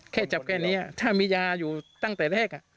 แค่จับแค่นี้ถ้ามียาอยู่ตั้งแต่แรก